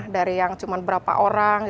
dari yang cuma berapa orang